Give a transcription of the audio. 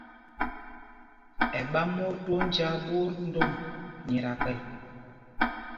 Ɛ ɓa mot twóó njāā ɓot ndom nyɛ ta kpɛl.